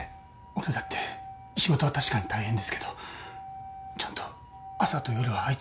俺だって仕事は確かに大変ですけどちゃんと朝と夜はあいつを見てるつもりだったんです。